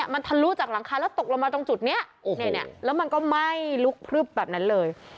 มันทะลุจากหลังคาแล้วตกลงมาตรงจุดนี้แล้วมันก็ไหม้ลุกพลึบแบบนั้นเลย